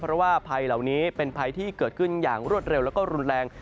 เพราะว่าภัยเหล่านี้เป็นภัยที่เกิดขึ้นอย่างรวดเร็วแล้วก็รุนแรง